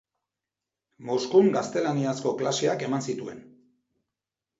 Moskun gaztelaniazko klaseak eman zituen.